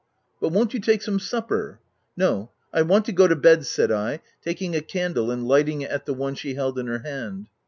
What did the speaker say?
" But won't you take some supper ?"" No, I want to go to bed," said I, taking a candle and lighting it at the one she held in her hand.